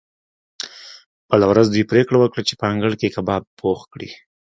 بله ورځ دوی پریکړه وکړه چې په انګړ کې کباب پخ کړي